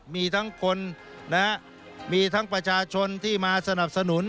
มีทั้งคนมีทั้งประชาชนที่มาสนับสนุน